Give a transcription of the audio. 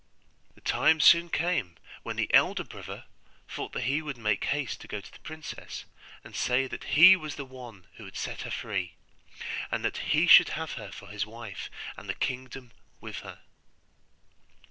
The time soon came, when the eldest brother thought that he would make haste to go to the princess, and say that he was the one who had set her free, and that he should have her for his wife, and the kingdom with her.